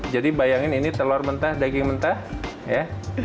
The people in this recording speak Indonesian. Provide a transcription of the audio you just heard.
jadi bayangin ini telur mentah daging mentah ya